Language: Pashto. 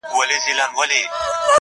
• ایبنه دي نه کړمه بنګړی دي نه کړم,